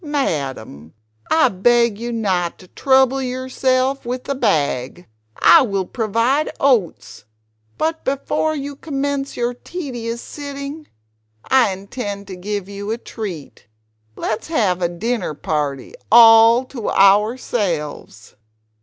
"Madam, I beg you not to trouble yourself with a bag; I will provide oats. But before you commence your tedious sitting, I intend to give you a treat. Let us have a dinner party all to ourselves!